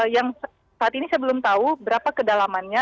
yang saat ini saya belum tahu berapa kedalamannya